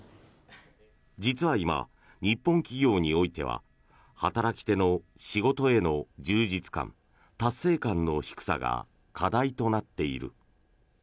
実は今、日本企業においては働き手の仕事への充実感、達成感の低さが課題となっている。